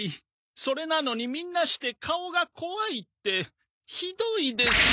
それなのにみんなして「顔が怖い」ってひどいですよ。